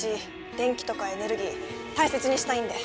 電気とかエネルギー大切にしたいんで。